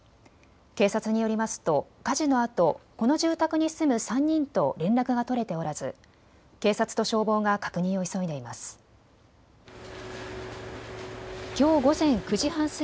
警察によりますと火事のあとこの住宅に住む３人と連絡が取れておらず警察と消防が確認を急いでいます。